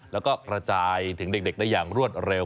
แล้วก็กระจายถึงเด็กได้อย่างรวดเร็ว